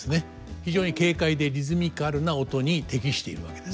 非常に軽快でリズミカルな音に適しているわけです。